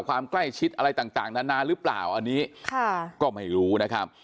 ความใกล้ชิดอะไรต่างนานาหรือเปล่าอันนี้ค่ะก็ไม่รู้นะครับ